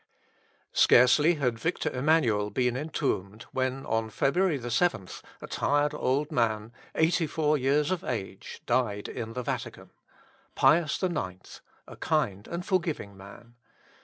Scarcely had Victor Emmanuel been entombed when on Feb. 7th a tired old man, eighty four years of age, died in the Vatican, Pius IX., a kind and forgiving man.